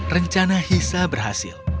rencana hisa berhasil